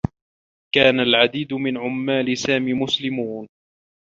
كان العديد من عمّال سامي مسلمون.